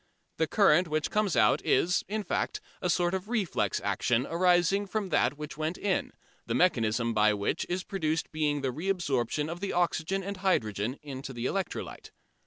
The current which comes out is, in fact, a sort of reflex action arising from that which went in, the mechanism by which it is produced being the reabsorption of the oxygen and hydrogen into the electrolyte.